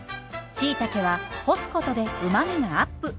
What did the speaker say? しいたけは干すことでうまみがアップ。